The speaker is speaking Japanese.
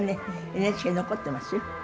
ＮＨＫに残ってますよ。